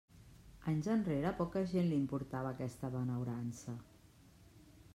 Anys enrere a poca gent li importava aquesta benaurança.